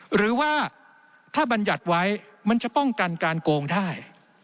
หรือว่าถ้าบรรยัติไว้มันจะป้องกันการโกงได้